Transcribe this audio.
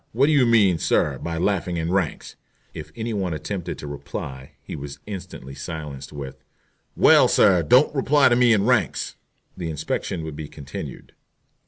What do you mean, sir, by laughing in ranks?" If any one attempted to reply he was instantly silenced with "Well, sir, don't reply to me in ranks." The inspection would be continued.